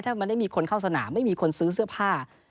ถ้ามันได้มีคนเข้าสนามไม่มีคนซื้อเสื้อผ้า